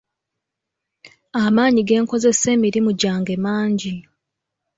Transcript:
Amaanyi ge nkozesa emirimu gyange mangi.